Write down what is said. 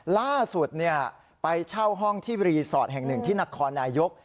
ล่าสุดไปเช่าห้องที่รีสอร์ทแห่งหนึ่งที่นครนายก